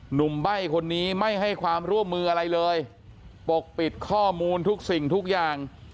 ใบ้คนนี้ไม่ให้ความร่วมมืออะไรเลยปกปิดข้อมูลทุกสิ่งทุกอย่าง